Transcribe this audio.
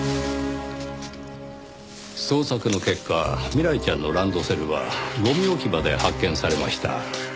捜索の結果未来ちゃんのランドセルはゴミ置き場で発見されました。